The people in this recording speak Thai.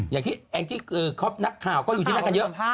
อย่างที่แองจี้นักข่าวก็อยู่ที่นั่นกันเยอะ